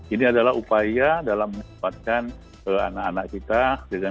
ini adalah upaya dalam menempatkan anak anak kita